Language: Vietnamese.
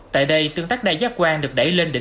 tại đây tương tác đa giác quan được đẩy lên đỉnh